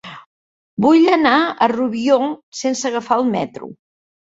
Vull anar a Rubió sense agafar el metro.